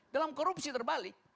dalam korupsi terbalik